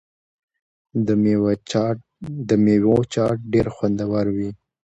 د میوو چاټ ډیر خوندور وي.